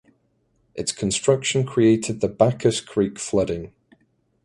Its construction created the Backus Creek Flooding.